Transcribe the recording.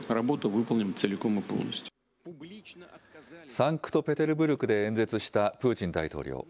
サンクトペテルブルクで演説したプーチン大統領。